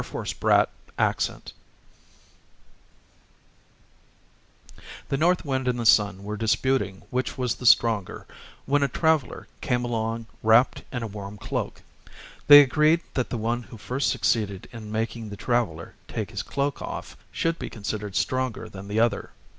Orthographic version The North Wind and the Sun were disputing which was the stronger, when a traveler came along wrapped in a warm cloak. They agreed that the one who first succeeded in making the traveler take his cloak off should be considered stronger than the other.